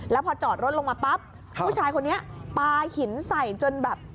แล้วพอจอดรถลงมาปั๊บผู้ชายคนนี้ปลาหินใส่จนแบบ